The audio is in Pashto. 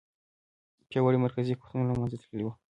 پیاوړي مرکزي حکومتونه له منځه تللي وو.